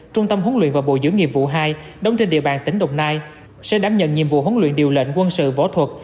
trung tâm huấn luyện và bộ dưỡng nghiệp vụ hai đóng trên địa bàn tỉnh đồng nai sẽ đảm nhận nhiệm vụ huấn luyện điều lệnh quân sự võ thuật